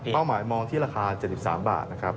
หมายมองที่ราคา๗๓บาทนะครับ